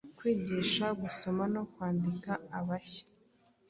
kwigisha gusoma no kwandika abashya,